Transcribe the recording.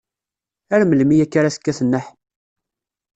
Ar melmi akka ara tekkat nneḥ?